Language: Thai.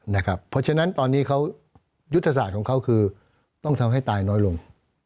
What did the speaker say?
เพราะฉะนั้นตอนนี้เขายุทธศาสตร์ของเขาคือต้องทำให้ตายน้อยลง